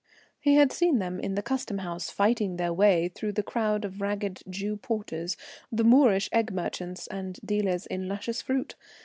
He had seen them in the custom house, fighting their way through the crowd of ragged Jew porters, the Moorish egg merchants, and dealers in luscious fruit.